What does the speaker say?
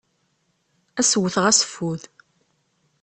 Ad as-wwteɣ aseffud.